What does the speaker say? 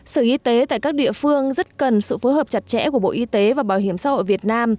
sở y tế tại các địa phương rất cần sự phối hợp chặt chẽ của bộ y tế và bảo hiểm xã hội việt nam